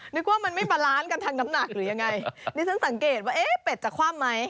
นึกว่ามันไม่บาลานซ์กันทางน้ำหนักหรือยังไงนี่ฉันสังเกตว่าเอ๊ะเป็ดจะคว่ำไหม